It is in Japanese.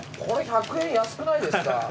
これ１００円安くないですか。